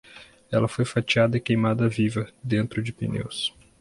Ela foi fatiada e queimada vida, dentro de pneus